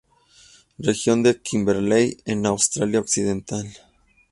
Región de Kimberley en Australia Occidental.